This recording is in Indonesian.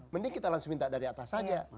mending kita langsung minta dari atas saja